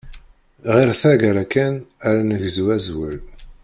Ɣer taggara kan ara negzu azwel.